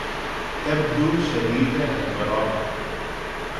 تبدو شديدة البراءة.